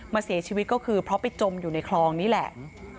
เสียชีวิตก็คือเพราะไปจมอยู่ในคลองนี่แหละ